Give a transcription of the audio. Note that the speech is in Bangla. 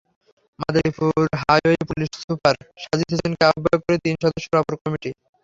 Madaripur highway police super Sajid হোসেনকে আহ্বায়ক করে তিন সদস্যের অপর কমিটি।